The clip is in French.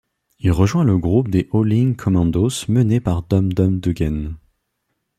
Il rejoint le groupe des Howling Commandos mené par Dum Dum Dugan.